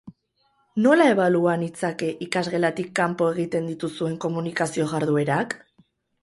Nola ebalua nitzake ikasgelatik kanpo egiten dituzuen komunikazio jarduerak?